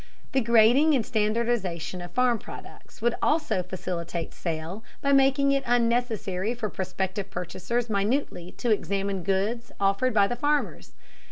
The grading and standardization of farm products would also facilitate sale by making it unnecessary for prospective purchasers minutely to examine goods offered by the farmers.